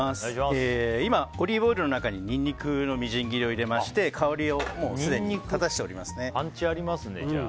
今、オリーブオイルの中にニンニクのみじん切りを入れてパンチありますね、じゃあ。